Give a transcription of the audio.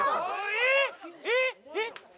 えっえっ？